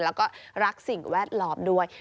แล้วก็รักสิ่งแวดล้อมด้วย